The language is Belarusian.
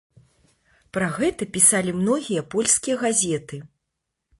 Пра гэта пісалі многія польскія газеты.